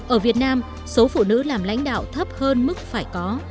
ở việt nam số phụ nữ làm lãnh đạo thấp hơn mức phải có